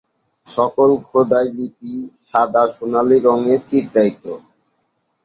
সকল খোদাই লিপি সাদা সোনালি রঙে চিত্রিত।